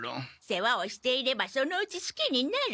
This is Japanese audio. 世話をしていればそのうちすきになる。